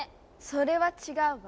それは違うわ。